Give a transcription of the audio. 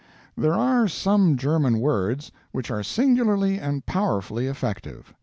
There are some German words which are singularly and powerfully effective.